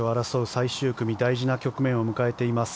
最終組大事な局面を迎えています。